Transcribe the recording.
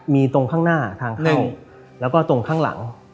มีตรงข้างหน้าทางแห้งแล้วก็ตรงข้างหลัง